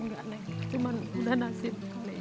enggak nek cuma udah nasib